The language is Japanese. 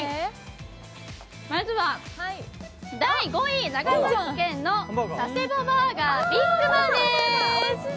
まずは第５位、長崎県の佐世保バーガーＢｉｇＭａｎです。